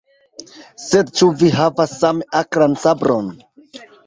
Sed ĉu vi havas same akran sabron?